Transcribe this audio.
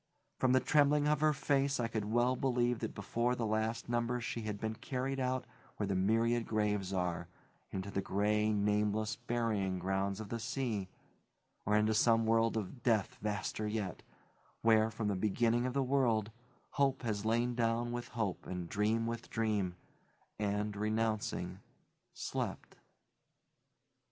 From the trembling of her face I could well believe that before the last numbers she had been carried out where the myriad graves are, into the gray, nameless burying grounds of the sea; or into some world of death vaster yet, where, from the beginning of the world, hope has lain down with hope and dream with dream and, renouncing, slept.